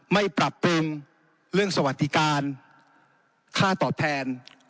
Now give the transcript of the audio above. ไม่ปรับปรุงเรื่องสวัสดิการค่าตอบแทน